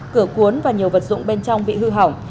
cửa cuốn và nhiều vật dụng bên trong bị hư hỏng